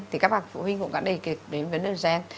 thì các bà phụ huynh cũng đã đề kịch đến vấn đề gen